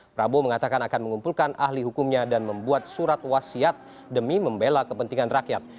prabowo mengatakan akan mengumpulkan ahli hukumnya dan membuat surat wasiat demi membela kepentingan rakyat